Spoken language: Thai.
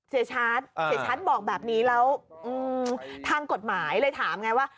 เสียชัดเสียชัดบอกแบบนี้แล้วทางกฎหมายเลยถามไงว่า